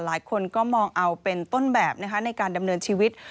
หลายคนก็มองเอาเป็นต้นแบบนะคะในการดำเนินชีวิต